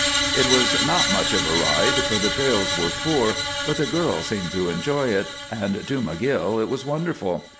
It was not much of a ride, for the trails were poor, but the girl seemed to enjoy it, and to McGill it was wonderful.